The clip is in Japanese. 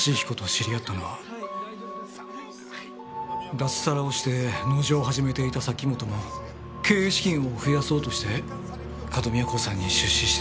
脱サラをして農場を始めていた崎本も経営資金を増やそうとして角宮興産に出資してたんです。